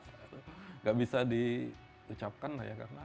nggak bisa di ucapkan lah ya